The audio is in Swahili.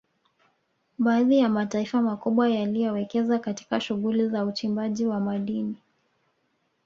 Baadhi ya mataifa makubwa yaliyowekeza katika shughuli za uchimbaji wa madini